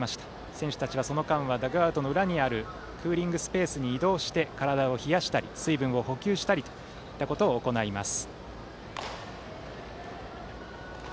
選手たちは、その間はダグアウトの裏にあるクーリングスペースに移動して体を冷やしたり水分を補給したりします。